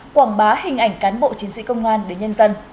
quảng bá hình ảnh cán bộ chiến sĩ công an đến nhân dân